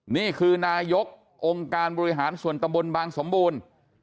นี่คือนายกองค์การบริหารส่วนตำบลบางสมบูรณ์